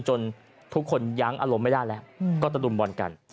ทุกคนยั้งอารมณ์ไม่ได้แล้วก็ตะลุมบอลกัน